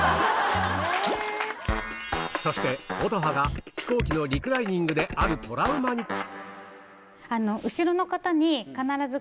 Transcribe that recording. そして乙葉が飛行機のリクライニングであるトラウマに必ず。